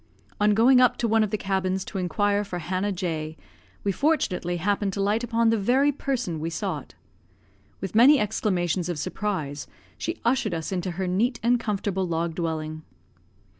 On going up to one of the cabins to inquire for Hannah J , we fortunately happened to light upon the very person we sought. With many exclamations of surprise, she ushered us into her neat and comfortable log dwelling.